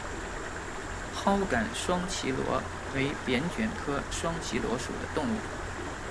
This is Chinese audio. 藁杆双脐螺为扁蜷科双脐螺属的动物。